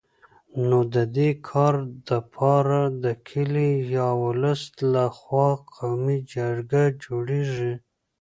نو د دي کار دپاره د کلي یا ولس له خوا قومي جرګه جوړېږي